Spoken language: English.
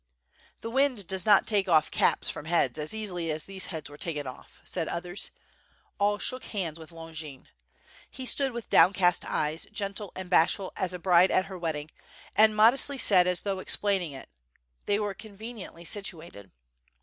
"The wind does not take off caps from heads as easily as these heads were taken off," said others. All shook hands with Longin. He stood with downcast eyes, gentle and bash ful as a bride at her wedding, and modestly said as though explaining it: "They were conveniently situated."